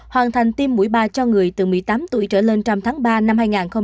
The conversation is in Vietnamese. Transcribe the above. hoàn thành tiêm mũi ba cho người từ một mươi tám tuổi trở lên trong tháng ba năm hai nghìn hai mươi